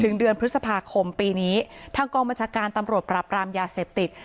เดือนพฤษภาคมปีนี้ทางกองบัญชาการตำรวจปราบรามยาเสพติด